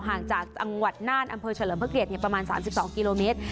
ห่างจากอังวัดนานอำเภอเฉลิมพกรีชเนี่ยประมาณสามสิบสองกิโลเมตร